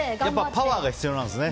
パワーが必要なんですね。